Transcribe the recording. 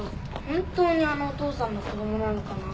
本当にあのお父さんの子供なのかな。